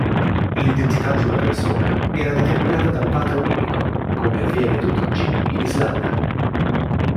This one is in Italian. L'identità di una persona era determinata dal patronimico, come avviene tutt'oggi in Islanda.